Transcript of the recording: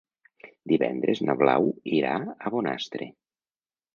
Divendres na Blau irà a Bonastre.